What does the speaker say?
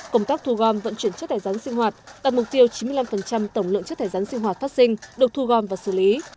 công tác thu gom vận chuyển chất thải rắn sinh hoạt đặt mục tiêu chín mươi năm tổng lượng chất thải rắn sinh hoạt phát sinh được thu gom và xử lý